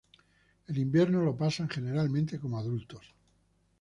El invierno lo pasan generalmente como adultos.